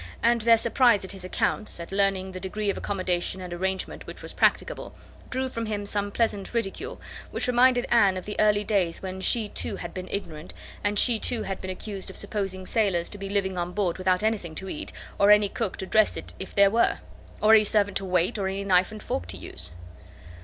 and their surprise at his accounts, at learning the degree of accommodation and arrangement which was practicable, drew from him some pleasant ridicule, which reminded Anne of the early days when she too had been ignorant, and she too had been accused of supposing sailors to be living on board without anything to eat, or any cook to dress it if there were, or any servant to wait, or any knife and fork to use.